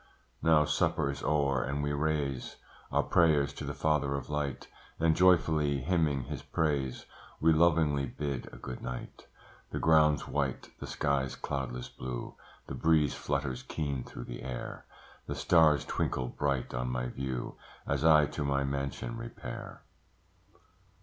Now supper is o'er and we raise Our prayers to the Father of light And joyfully hymning His praise, We lovingly bid a good night. The ground's white, the sky's cloudless blue, The breeze flutters keen through the air, The stars twinkle bright on my view, As I to my mansion repair.